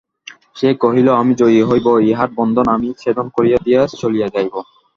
সে কহিল, আমি জয়ী হইব–ইহার বন্ধন আমি ছেদন করিয়া দিয়া চলিয়া যাইব।